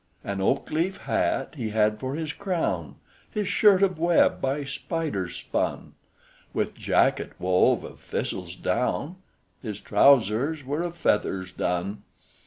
"An oak leaf hat he had for his crown; His shirt of web by spiders spun; With jacket wove of thistle's down; His trousers were of feathers done.